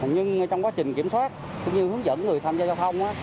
nhưng trong quá trình kiểm soát hướng dẫn người tham gia giao thông